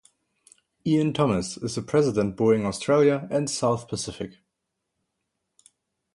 Ian Thomas is the President Boeing Australia and South Pacific.